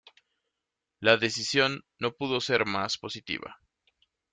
La decisión no pudo ser más positiva.